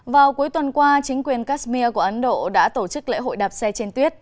vào cuối tuần qua chính quyền kashmir của ấn độ đã tổ chức lễ hội đạp xe trên tuyết